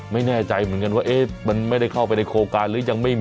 ไม่แน่ใจเหมือนกันว่าเอ๊มันไม่ได้เข้าไปในโคการ